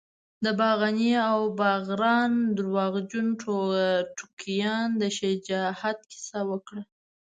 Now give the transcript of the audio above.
د باغني او باغران درواغجنو ټوکیانو د شباهت کیسه وکړه.